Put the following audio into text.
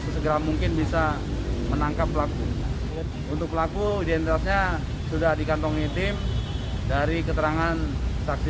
sesegera mungkin bisa menangkap pelaku untuk pelaku identitasnya sudah dikantongi tim dari keterangan saksi